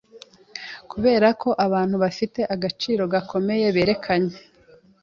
Kuberako abantu bafite agaciro gakomeye berekanye